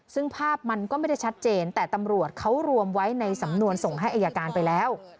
ซึ่งภาพมันก็ไม่ได้ชัดเจนแต่ตำรวจเขารวมไว้ในสำนวนส่งให้อายการไปแล้ว